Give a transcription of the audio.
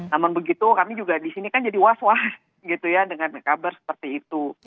namun begitu kami juga di sini kan jadi was was gitu ya dengan kabar seperti itu